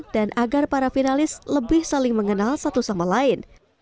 dan agar para finalis lebih saling mengenal satu sama lain